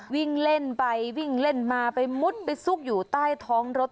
วิ่งเล่นไปวิ่งเล่นมาไปมุดไปซุกอยู่ใต้ท้องรถ